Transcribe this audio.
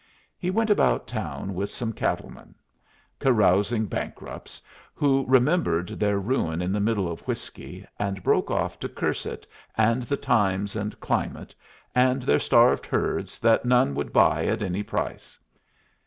He went about town with some cattlemen carousing bankrupts, who remembered their ruin in the middle of whiskey, and broke off to curse it and the times and climate, and their starved herds that none would buy at any price.